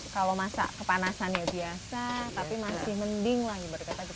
kalau masa kepanasan ya biasa tapi masih mending lagi berdekatan